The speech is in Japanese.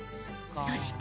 そして。